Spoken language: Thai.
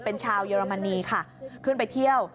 เป็นชาวเยอรมนีค่ะขึ้นไปเที่ยว